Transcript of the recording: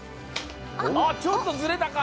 あっちょっとずれたか？